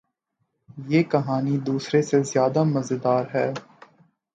یہ کہانی دوسرے سے زیادو مزیدار ہے